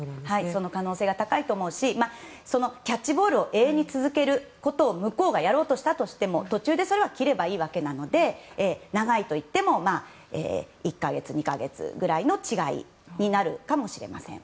その可能性が高いと思うしキャッチボールを永遠に続けることを向こうがやろうとしたとしても途中でそれは切ればいいので長いといっても１か月や２か月ぐらいの違いになるかもしれません。